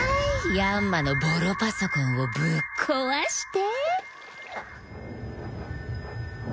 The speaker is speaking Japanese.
ヤンマのボロパソコンをぶっ壊して。